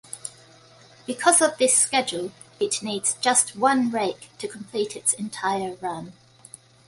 Because of this schedule, it needs just one rake to complete its entire run.